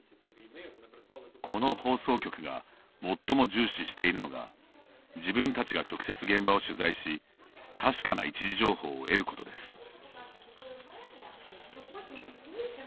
この放送局が最も重視しているのが自分たちが直接現場を取材し確かな一次情報を得ることです。